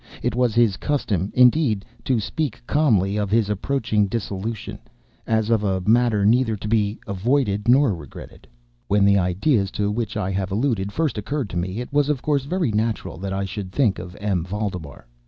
It was his custom, indeed, to speak calmly of his approaching dissolution, as of a matter neither to be avoided nor regretted. When the ideas to which I have alluded first occurred to me, it was of course very natural that I should think of M. Valdemar.